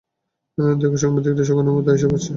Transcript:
দেখো, সাংবাদিকরা, শকুনের মত আইসা পড়ছে।